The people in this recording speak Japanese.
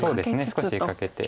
少しかけて。